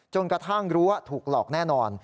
กระทั่งรู้ว่าถูกหลอกแน่นอน